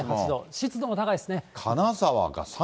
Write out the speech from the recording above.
湿度も高いですね。